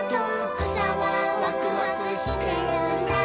「くさはワクワクしてるんだ」